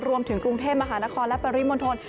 รวมถึงกรุงเทพมหานครและปริมณฑล